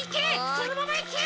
そのままいけ！